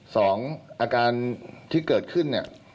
สองอาการที่เกิดขึ้น